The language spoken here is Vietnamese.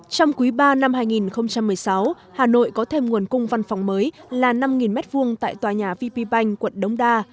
trong quý ba năm hai nghìn một mươi sáu hà nội có thêm nguồn cung văn phòng mới là năm m hai tại tòa nhà vp bank quận đống đa